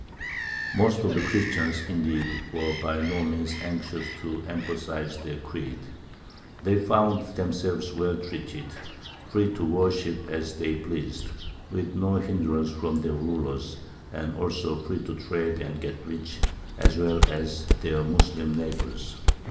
Most of the Christians, indeed, were by no means anxious to emphasize their creed; they found themselves well treated, free to worship as they pleased, with no hindrance from their rulers; and also free to trade and get rich, as well as their Moslem neighbours.